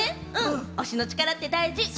推しの力って大事！